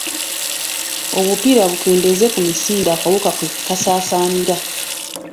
Obupiira bukendeeza ku misinde akawuka kwe kasaasaanira.